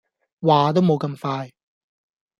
話都冇咁快